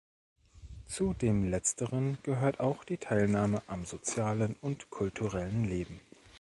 Zu dem Letzteren gehört auch die Teilnahme am sozialen und kulturellen Leben.